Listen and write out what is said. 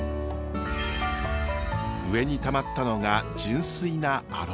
上にたまったのが純粋なアロマオイル。